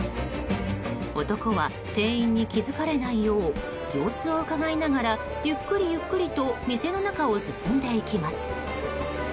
男は店員に気づかれないよう様子をうかがいながらゆっくりゆっくりと店の中を進んでいきます。